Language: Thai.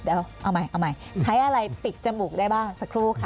เอาใหม่ใช้อะไรปิดจมูกได้บ้างสักครู่ค่ะ